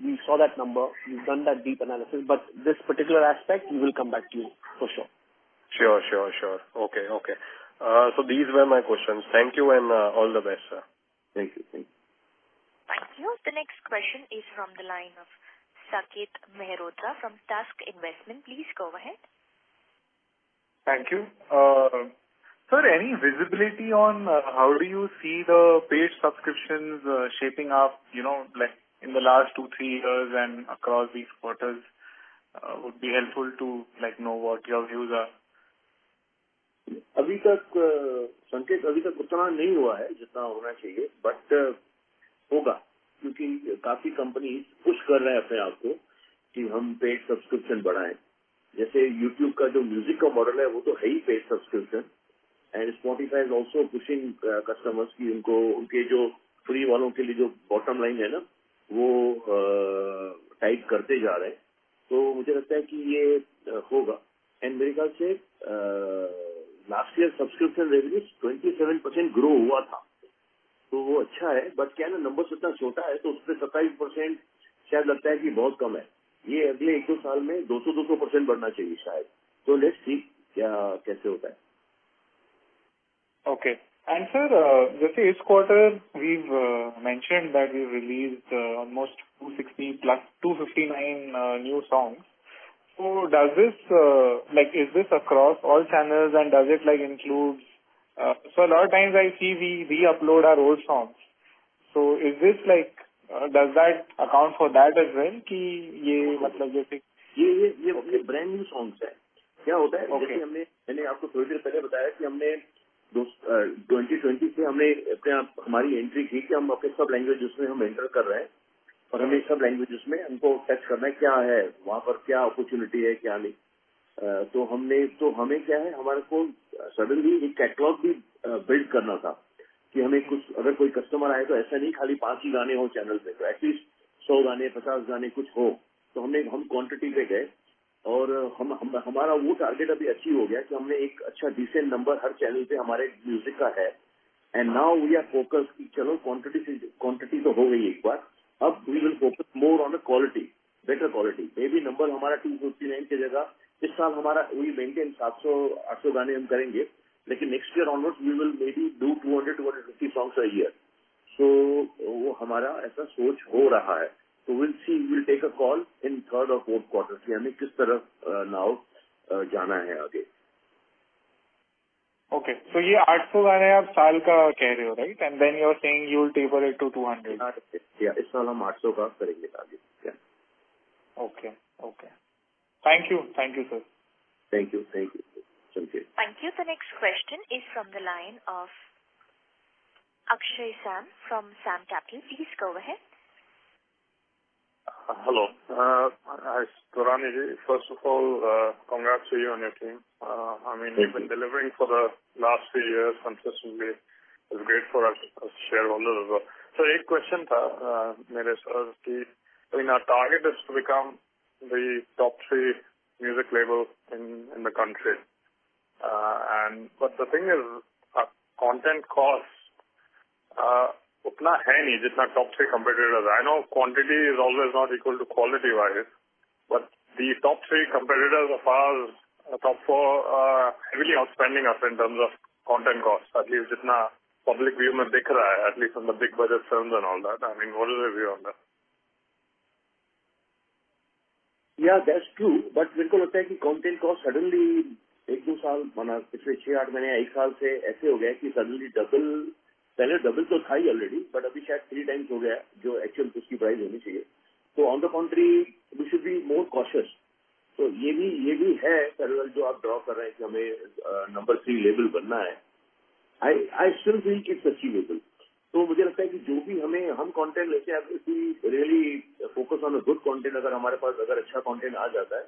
We saw that number. We've done that deep analysis. This particular aspect, we will come back to you for sure. Sure. Okay. These were my questions. Thank you. All the best, sir. Thank you. Thank you. Thank you. The next question is from the line of Saket Mehrotra from Tusk Investments. Please go ahead. Thank you. sir, any visibility on how do you see the paid subscriptions shaping up, you know, like in the last two, three years and across these quarters, would be helpful to, like, know what your views are. So far, Saket, it has not happened as much as it should have. It will happen, because a lot of companies are pushing themselves to increase paid subscriptions. For example, YouTube's music model is a paid subscription. Spotify is also pushing customers, that for their free users, the bottom line is keeping on getting tight. I think this will happen. I think, last year subscription revenue grew by 27%. That's good, but the number is so small, so 27% maybe seems very low. In the next one or two years, it should increase by 200%, maybe. Let's see, how it goes. Okay. Sir, just this quarter, we've mentioned that we've released almost 260+, 259 new songs. Does this, like, is this across all channels, and does it, like, so a lot of times I see we upload our old songs. Is this like, does that account for that as well? These are brand new songs. What happens is, like I told you a little while ago, that in 2020 we made our entry that we are entering into all languages. In all these languages we have to test what is there, what are the opportunities there, what not. What we have to do is, we suddenly had to build a catalog also, that if a customer comes, it's not like there are only 5 songs on the channel. At least 100 songs, 50 songs, something should be there. We went for quantity, and we achieved that target now, that we have a good, decent number of our music on every channel. Now we are focused, that okay, quantity is done once. Now we will focus more on the quality, better quality. Maybe our number, instead of 259, this year we will maintain 700, 800 songs we will do. Next year onwards, we will maybe do 200, 250 songs a year. That is our thinking. We'll see. We'll take a call in third or fourth quarter, that is, which way we have to go now. Okay. These 800 songs you are saying for the year, right? You are saying you will taper it to 200. Yeah, this year we will do 800 songs. Okay, okay. Thank you. Thank you, sir. Thank you. Thank you. Thank you. The next question is from the line of Akshay Sam from Sam Capital. Please go ahead. Hello, Hi, Taurani. First of all, congrats to you and your team. I mean, you've been delivering for the last three years consistently. It's great for us to share a little as well. A question I had, sir, is that, I mean, our target is to become the top three music label in the country. The thing is, our content costs are not as much as the top three competitors. I know quantity is always not equal to quality wise. The top three competitors of all, top four are heavily outspending us in terms of content costs. At least, jitna public view mein dikh raha hai, at least from the big budget films and all that. I mean, what is your view on that? Yeah, that's true. mereko lagta hai ki content cost suddenly 1-2 saal mana pichhle 6-8 mahine ya 1 saal se aise ho gaya hai ki suddenly double, pehle double toh tha hi already, abhi shayad 3 times ho gaya hai, jo actual uski price honi chahiye. On the contrary, we should be more cautious. ye bhi, ye bhi hai, parallel jo aap draw kar rahe hai ki hume, number three label bana hai. I still feel it's achievable. mujhe lagta hai ki jo bhi hum content lete hai, we really focus on a good content. Agar humare pass agar achha content aa jata hai,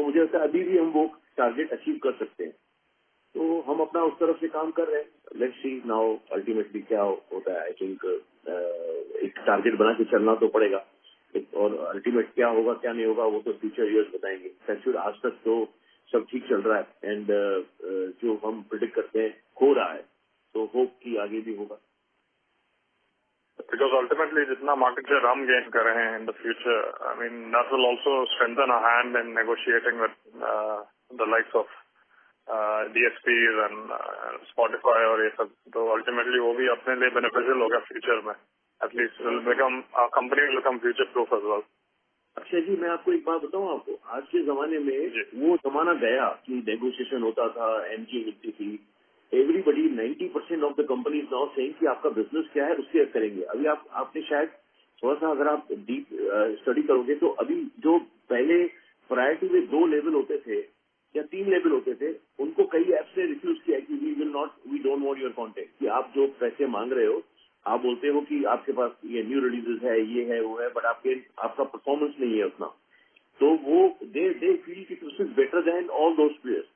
mujhe lagta hai abhi bhi hum woh target achieve kar sakte hai. hum apna uss taraf se kaam kar rahe hai. Let's see now, ultimately kya hota hai. I think, ek target bana ke chalna toh padega. Ultimate kya hoga, kya nahi hoga, woh toh future years batayenge. Actually, aaj tak toh sab theek chal raha hai, jo hum predict karte hai, ho raha hai. Hope ki aage bhi hoga. Ultimately, jitna market share hum gain kar rahe hai in the future, I mean, that will also strengthen our hand in negotiating with the likes of DSPs and Spotify aur ye sab. Ultimately woh bhi apne liye beneficial hoga future mein. At least our company will become future-proof as well. Achcha ji, main aapko ek baat batau aapko? Aaj ke zamane mein woh zamana gaya ki negotiation hota tha, MGA milti thi. Everybody, 90% of the companies now saying ki aapka business kya hai, uske according karenge. Abhi aap, aapne shayad thoda sa agar aap deep study karoge, toh abhi jo pehle priority mein 2 level hote the ya 3 level hote the, unko kai apps ne refuse kiya ki we don't want your content. Aap jo paise maang rahe ho, aap bolte ho ki aapke pass ye new releases hai, ye hai, woh hai, but aapke, aapka performance nahi hai utna. Woh, they feel ki we are better than all those players.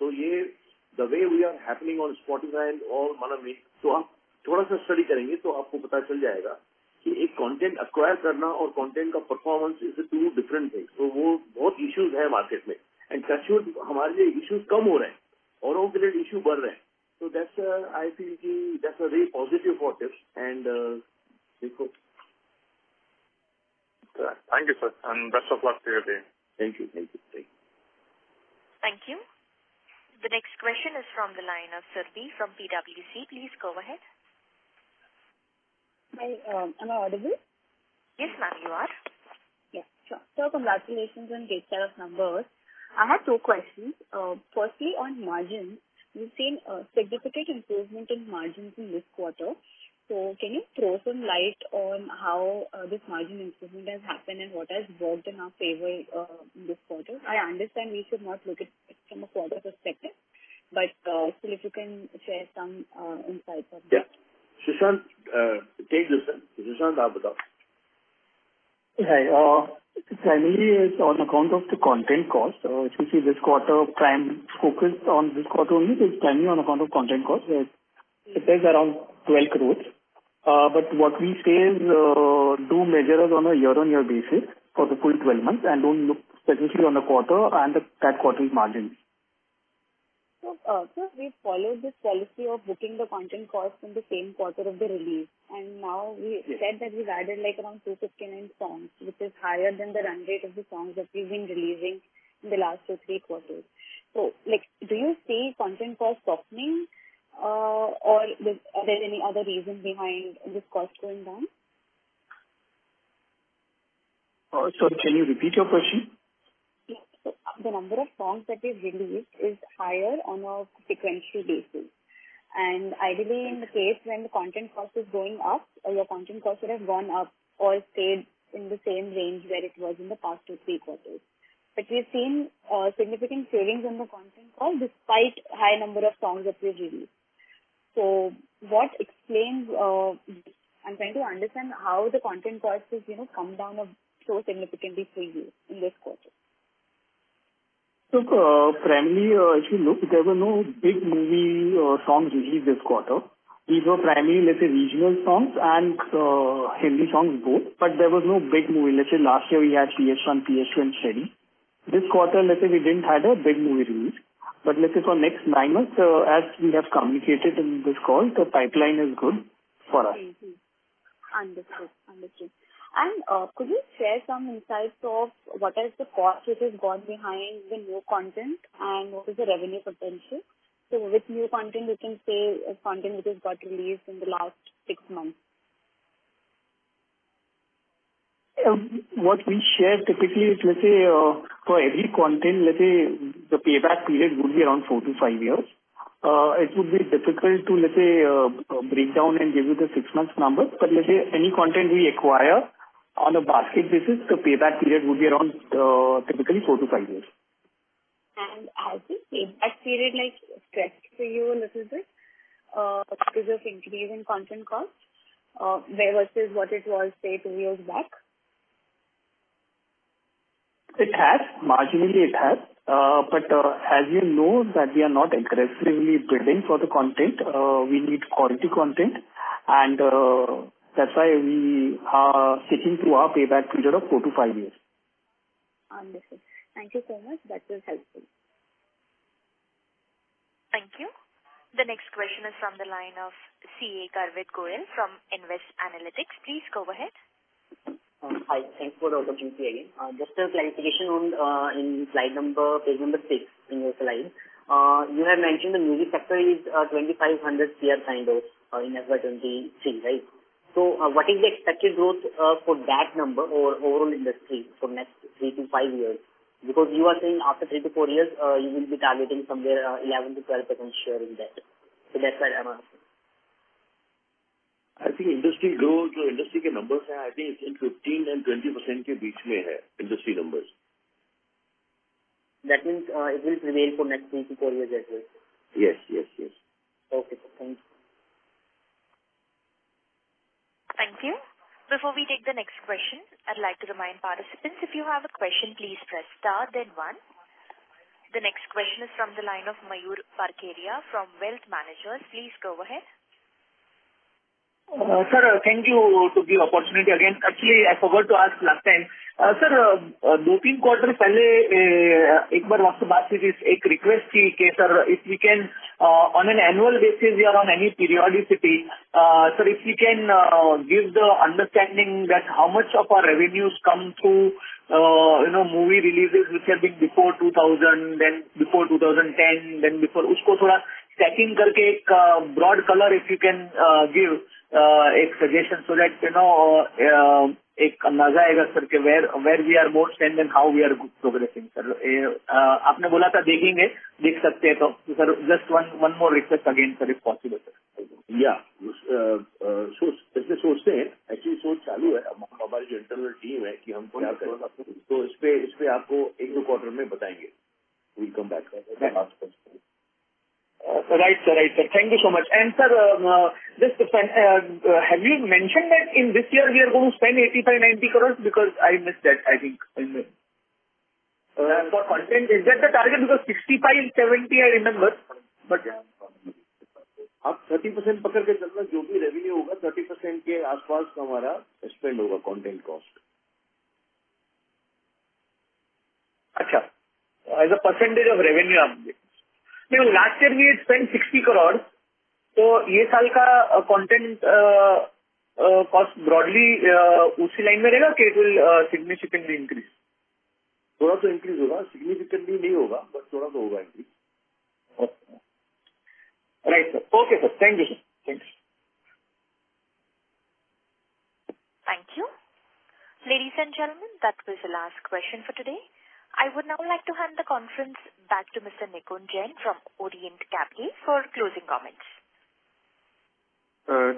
Ye, the way we are happening on Spotify and all mana mein, toh aap thoda sa study karenge toh aapko pata chal jayega ki ek content acquire karna aur content ka performance is a two different things. Woh bahut issues hai market mein, actually hamare liye issues kam ho rahe hai, auron ke liye issue badh rahe hai. That's, I feel ki that's a very positive for us, we hope. Thank you, sir, and best of luck for your day. Thank you. Thank you. Thank you. The next question is from the line of Surbhi from PwC. Please go ahead. Hi, am I audible? Yes, ma'am, you are. Yeah, sure. Sir, congratulations on great set of numbers. I have two questions. Firstly, on margins, we've seen a significant improvement in margins in this quarter. Can you throw some light on how this margin improvement has happened and what has worked in our favor in this quarter? I understand we should not look at it from a quarter perspective, but still, if you can share some insights on that. Yeah. Sushant, take this one. Sushant, I'll tell. Hi, primarily it's on account of the content cost. If you see this quarter, prime focus on this quarter only is primarily on account of content cost. It is around 12 crores. What we say is, do measure us on a year-on-year basis for the full 12 months, and don't look specifically on the quarter and that quarter's margins. Sir, we followed this policy of booking the content cost in the same quarter of the release. Now we said that we've added, like, around 259 songs, which is higher than the run rate of the songs that we've been releasing in the last two, three quarters. Like, do you see content cost softening, or is there any other reason behind this cost going down? Sorry, can you repeat your question? Yes. The number of songs that we've released is higher on a sequential basis. Ideally, in the case when the content cost is going up or your content costs would have gone up or stayed in the same range where it was in the past two, three quarters. We've seen significant savings on the content cost despite high number of songs that we've released. What explains, I'm trying to understand how the content costs has, you know, come down so significantly for you in this quarter. Look, primarily, if you look, there were no big movie or songs released this quarter. These were primarily, let's say, regional songs and Hindi songs both, but there was no big movie. Let's say last year we had PS-1, PS-2, and Shaadi. This quarter, let's say, we didn't have a big movie release. Let's say for next nine months, as we have communicated in this call, the pipeline is good for us. Understood. Could you share some insights of what is the cost which has gone behind the new content and what is the revenue potential? With new content, you can say, content which has got released in the last six months. What we share typically is, let's say, for every content, let's say, the payback period would be around four to five years. It would be difficult to, let's say, break down and give you the six months numbers, but let's say any content we acquire on a basket basis, the payback period would be around, typically four to five years. Has this payback period, like, stretched for you a little bit, because of increase in content costs, versus what it was, say, two years back? It has. Marginally, it has. As you know that we are not aggressively bidding for the content, we need quality content, and that's why we are sticking to our payback period of four to five years. Understood. Thank you so much. That was helpful. Thank you. The next question is from the line of Garvit Goyal from Nvest Analytics. Please go ahead. Hi. Thanks for the opportunity again. Just a clarification on in slide number, page number six, in your slide. You have mentioned the movie sector is 2,500 CR kind of in FY 2023, right? What is the expected growth for that number or overall industry for next three-five years? You are saying after three-four years, you will be targeting somewhere 11%-12% share in that. That's why I'm asking. I think industry growth, jo industry ke numbers hai, I think it's in 15% and 20% ke beech mein hai, industry numbers. That means, it will remain for next three to four years as well? Yes, yes. Okay, sir. Thank you. Thank you. Before we take the next question, I'd like to remind participants, if you have a question, please press star then one. The next question is from the line of Mayur Parkeria from Wealth Managers. Please go ahead. Sir, thank you to the opportunity again. Actually, I forgot to ask last time. Sir, 2-3 quarter pehle, ek baar aap se baat ki thi, ek request thi ki sir, if we can, on an annual basis or on any periodicity, sir, if you can, give the understanding that how much of our revenues come through, you know, movie releases, which have been before 2000, then before 2010, then before usko thoda stacking karke one broad color, if you can, give a suggestion so that, you know, one andaaz aayega sir, ke where we are more spend and how we are progressing, sir. Aapne bola tha dekhenge, dekh sakte hai toh. Sir, just one more request again, sir, if possible, sir. Yeah. isliye soch rahe hai, actually soch chalu hai among hamari internal team hai ki hum kya karein. ispe aapko ek do quarter mein batayenge. We'll come back sir with an answer. Right, sir. Thank you so much. Sir, just to have you mentioned that in this year we are going to spend 85-90 crores? I missed that, I think, in the for content, is that the target? 65-70 crores, I remember. Aap 30% pakad ke chalna, jo bhi revenue hoga, 30% ke aas pass hamara spend hoga, content cost. Achha. As a percentage of revenue, aapne. Last year we had spent INR 60 crore, toh ye saal ka, content cost broadly, usi line mein rahega ke it will significantly increase? Thoda sa increase hoga, significantly nahi hoga, but thoda sa hoga increase. Okay. Right, sir. Okay, sir. Thank you, sir. Thank you. Thank you. Ladies and gentlemen, that was the last question for today. I would now like to hand the conference back to Mr. Nikunj Jain from Orient Capital for closing comments.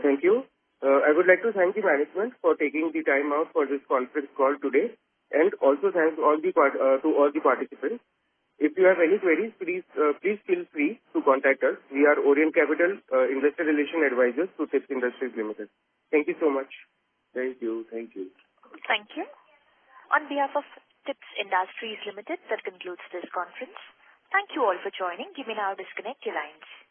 Thank you. I would like to thank the management for taking the time out for this conference call today. Also thanks to all the participants. If you have any queries, please feel free to contact us. We are Orient Capital, Investor Relation Advisors to Tips Industries Limited. Thank you so much. Thank you. Thank you. Thank you. On behalf of Tips Industries Limited, that concludes this conference. Thank you all for joining. You may now disconnect your lines.